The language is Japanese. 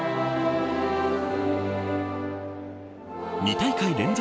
大会連続